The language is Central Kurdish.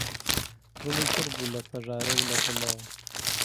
دڵی پڕ بوو لە پەژارە و لە دڵۆ